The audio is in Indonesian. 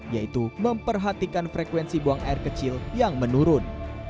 yaitu memperhatikan frekuensi buang air kecil yang menurun